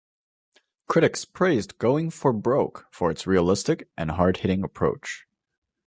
Critics praised "Going For Broke" for its realistic and hard-hitting approach.